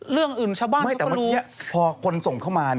เรื่องอื่นชาวบ้านเขาก็รู้ไม่แต่เมื่อกี้พอคนส่งเข้ามา